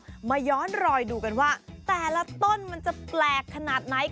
มาย้อนรอยดูกันว่าแต่ละต้นมันจะแปลกขนาดไหน